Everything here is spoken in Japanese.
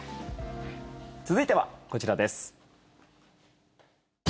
続いては、こちらです。